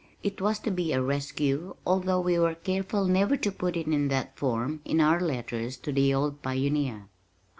It was to be a rescue although we were careful never to put it in that form in our letters to the old pioneer.